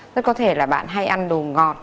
rất có thể là bạn hay ăn đồ ngọt